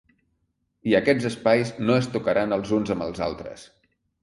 I aquests espais no es tocaran els uns amb els altres.